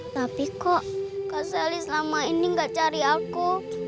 tapi kok kak selly selama ini gak cari aku